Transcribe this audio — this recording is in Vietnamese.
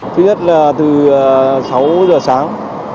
thứ nhất là từ sáu h sáng